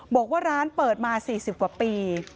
บอกว่าร้านเปิดมา๔๐กว่าปี